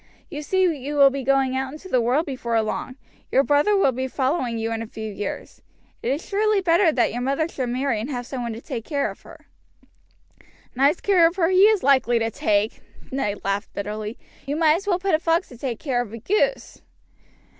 You see you will be going out into the world before long. Your brother will be following you in a few years. It is surely better that your mother should marry again and have some one to take care of her." "Nice care of her he is likely to take!" Ned laughed bitterly. "You might as well put a fox to take care of a goose."